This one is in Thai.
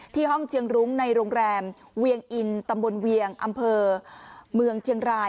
ห้องเชียงรุ้งในโรงแรมเวียงอินตำบลเวียงอำเภอเมืองเชียงราย